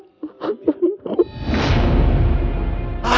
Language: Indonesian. makasih ya pak